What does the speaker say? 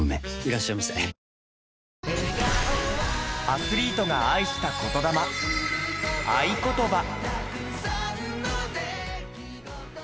アスリートが愛した言魂『愛ことば』。